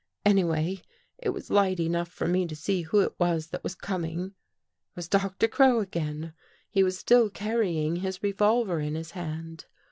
Anyway, it was light enough for me to see who it was that was coming. It was Doctor Crow again. He was still carrying his revolver in his hand.